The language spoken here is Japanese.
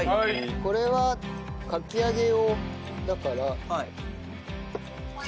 これはかき揚げ用だから。